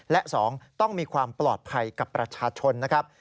และ๒ต้องมีความปลอดภัยกับประชาชนนะครับ